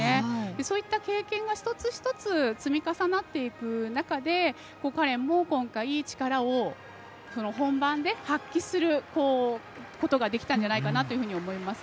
そういった経験が一つ一つ積み重なっていく中で彼も今回、力を本番で発揮することができたんじゃないかなと思います。